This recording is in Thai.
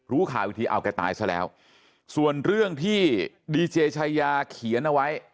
ข่าวอีกทีเอาแกตายซะแล้วส่วนเรื่องที่ดีเจชายาเขียนเอาไว้